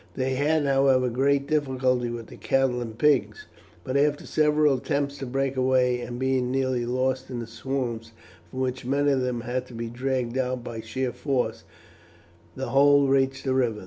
They had, however, great difficulty with the cattle and pigs, but after several attempts to break away, and being nearly lost in the swamps, from which many of them had to be dragged out by sheer force, the whole reached the river.